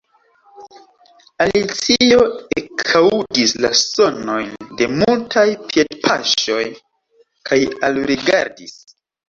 Alicio ekaŭdis la sonojn de multaj piedpaŝoj, kaj alrigardis.